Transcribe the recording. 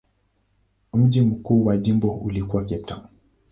Mji mkuu wa jimbo ulikuwa Cape Town.